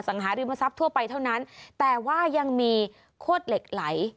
หาริมทรัพย์ทั่วไปเท่านั้นแต่ว่ายังมีโคตรเหล็กไหล